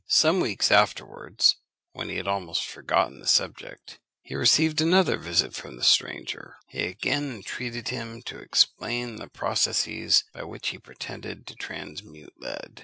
Some weeks afterwards, when he had almost forgotten the subject, he received another visit from the stranger. He again entreated him to explain the processes by which he pretended to transmute lead.